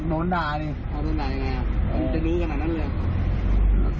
โดนด่าอย่างไรมันจะมีอย่างไรบ้างเลย